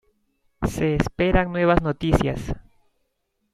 Se esperan nuevas noticias.